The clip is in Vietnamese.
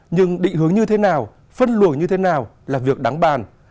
nhưng định hướng như thế nào phân luồng như thế nào là việc đáng bàn